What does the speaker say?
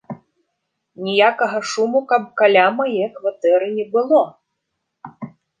Ніякага шуму каб каля мае кватэры не было.